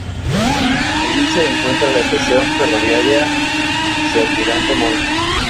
Allí se encuentra la estación ferroviaria "Vicealmirante Montes".